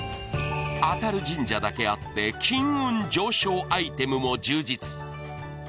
当たる神社だけあって金運上昇アイテムも充実